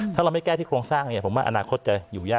ถ้าเราไม่แก้ที่โครงสร้างเนี่ยผมว่าอนาคตจะอยู่ยาก